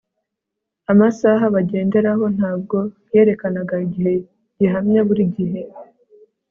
amasaha bagenderaho. ntabwo yerekanaga igihe gihamye buri gihe